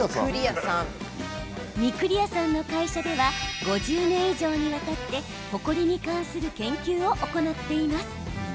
御厨さんの会社では５０年以上にわたってほこりに関する研究を行っています。